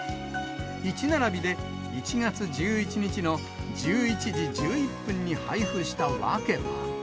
１並びで１月１１日の１１時１１分に配布した訳は。